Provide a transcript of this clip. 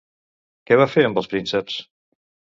Què va fer amb els prínceps?